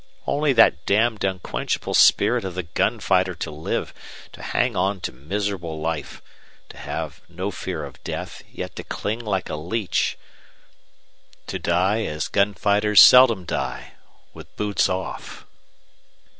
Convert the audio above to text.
Only that damned unquenchable spirit of the gun fighter to live to hang on to miserable life to have no fear of death, yet to cling like a leach to die as gun fighters seldom die, with boots off!